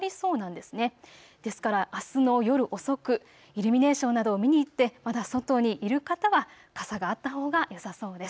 ですからあすの夜遅くイルミネーションなどを見に行って、まだ外にいる方は傘があったほうがよさそうです。